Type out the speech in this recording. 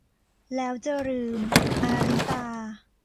แล้วจะลืม - อาริตา